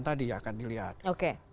tadi akan dilihat oke